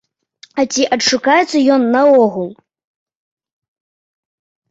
І ці адшукаецца ён наогул.